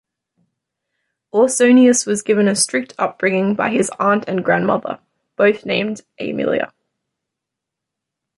Ausonius was given a strict upbringing by his aunt and grandmother, both named Aemilia.